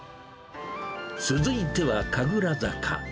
続いては神楽坂。